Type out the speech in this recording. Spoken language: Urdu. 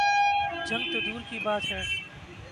جنگ تو دور کی بات ہے۔